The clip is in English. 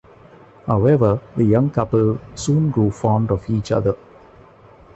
However, the young couple soon grew fond of each other.